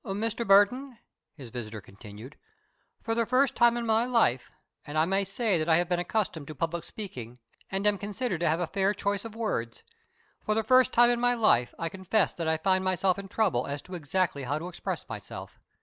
"Mr. Burton," his visitor continued, "for the first time in my life and I may say that I have been accustomed to public speaking and am considered to have a fair choice of words for the first time in my life I confess that I find myself in trouble as to exactly how to express myself.